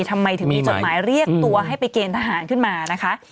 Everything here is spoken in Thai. ทำไมถึงมีจดหมายเรียกตัวให้ไปเกณฑ์ทหารขึ้นมานะคะ